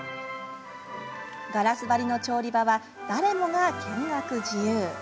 ガラス張りの調理場は誰もが見学自由。